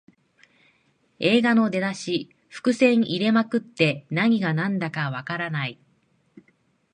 映画の出だし、伏線入れまくって何がなんだかわからない